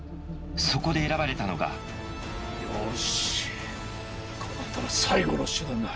そこで選ばれたのがよしこうなったら最後の手段だ。